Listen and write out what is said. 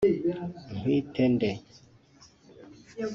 nkwite nde